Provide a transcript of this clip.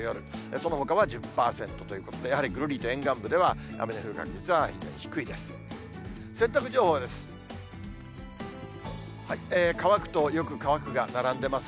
そのほかは１０％ということで、やはりぐるりと沿岸部では雨の降る確率は低いです。